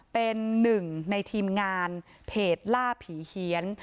เป็นหนึ่งในทีมงานเพจล่าผีเฮียน